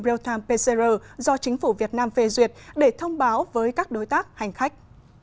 real time pcr do chính phủ việt nam phê duyệt để thông báo với các đối tác hành khách